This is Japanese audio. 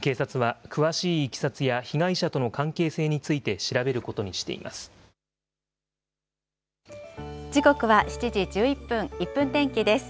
警察は詳しいいきさつや被害者との関係性について調べることにし時刻は７時１１分、１分天気です。